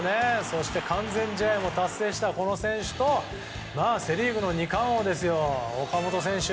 そして完全試合も達成した選手とセ・リーグの２冠王の岡本選手。